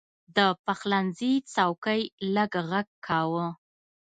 د پخلنځي څوکۍ لږ غږ کاوه.